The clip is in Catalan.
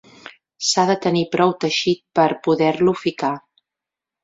S'ha de tenir prou teixit per a poder-lo ficar.